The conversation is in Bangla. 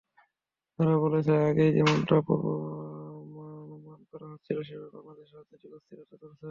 তারা বলছে, আগেই যেমনটা পূর্বানুমান করা হচ্ছিল সেভাবেই বাংলাদেশে রাজনৈতিক অস্থিরতা চলছে।